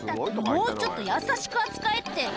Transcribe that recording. もうちょっと優しく扱えって」